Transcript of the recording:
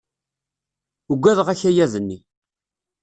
Uggadeɣ akayad-nni.